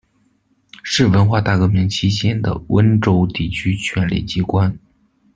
是文化大革命期间的温州地区权力机关。